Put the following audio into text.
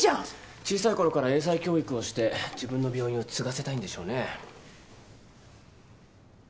小さい頃から英才教育をして自分の病院を継がせたいんでしょうね。